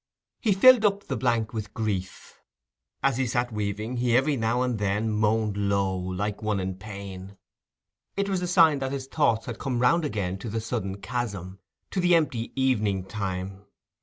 He filled up the blank with grief. As he sat weaving, he every now and then moaned low, like one in pain: it was the sign that his thoughts had come round again to the sudden chasm—to the empty evening time.